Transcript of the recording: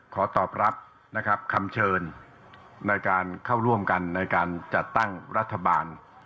ขอตอบรับนะครับคำเชิญในการเข้าร่วมกันในการจัดตั้งรัฐบาล